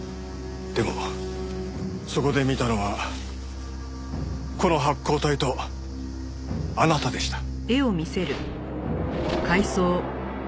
でもそこで見たのはこの発光体とあなたでした。